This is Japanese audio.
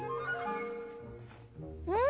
うん！